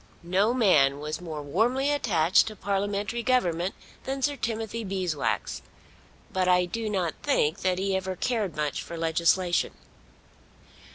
No man was more warmly attached to parliamentary government than Sir Timothy Beeswax; but I do not think that he ever cared much for legislation.